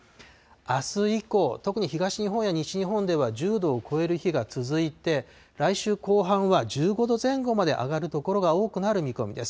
あす以降、特に東日本や西日本では１０度を超える日が続いて、来週後半は１５度前後まで上がる所が多くなる見込みです。